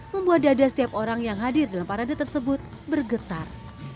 membuat dada setiap orang yang hadir dalam parade tersebut bergetar